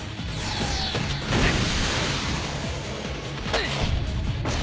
うっ。